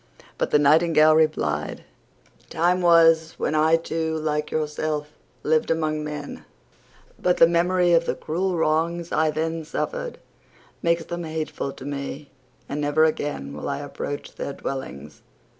But the Nightingale replied, "Time was when I too, like yourself, lived among men: but the memory of the cruel wrongs I then suffered makes them hateful to me, and never again will I approach their dwellings."